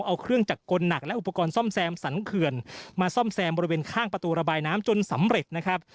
เอาเครื่องจักรกลหนักและอุปกรณ์ซ่อมแซมสรรเขื่อนมาซ่อมแซมบริเวณข้างประตูระบายน้ำจนสำเร็จนะครับ